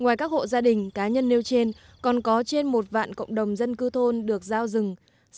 ngoài các hộ gia đình cá nhân nêu trên còn có trên một vạn cộng đồng dân cư thôn được giao rừng